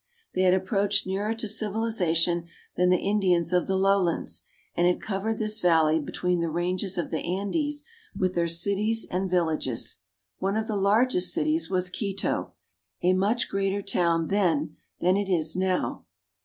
They had approached nearer to civilization than the Indians of the lowlands, and had covered this valley between the ranges of the Andes with their cities and vil lages. One of the largest cities was Quito, a much greater town then than it Is now.